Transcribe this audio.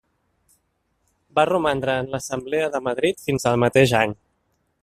Va romandre en l'Assemblea de Madrid fins al mateix any.